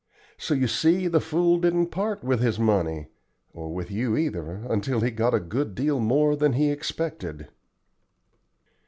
So you see the fool didn't part with his money, or with you either, until he got a good deal more than he expected."